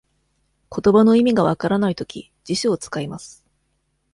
ことばの意味が分からないとき、辞書を使います。